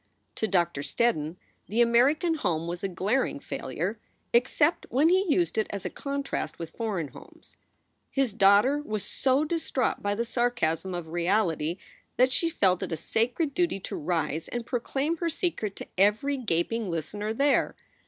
To Doctor Steddon the American home was a glaring failure except when he used it as a contrast with foreign homes. His daughter was so distraught by the sarcasm of reality that she felt it a sacred duty to rise and proclaim her secret to every gaping listener there.